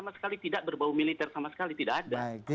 sama sekali tidak berbau militer sama sekali